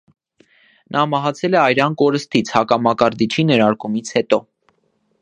Նա մահացել է արյան կորստից՝ հակամակարդիչի ներարկումից հետո։